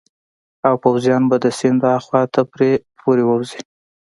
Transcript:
او پوځیان به د سیند هاخوا ته پرې پورې ووزي.